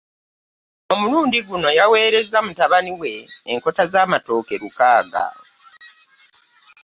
Omulundi gumu yaweereza mutabani we enkota z'amatooke lukaaga.